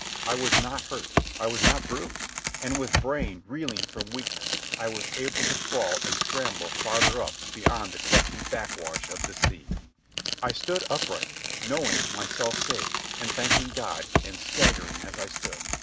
I was not hurt. I was not bruised. And with brain reeling from weakness I was able to crawl and scramble farther up beyond the clutching backwash of the sea. I stood upright, knowing myself saved, and thanking God, and staggering as I stood.